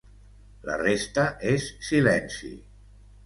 La resta és silenci.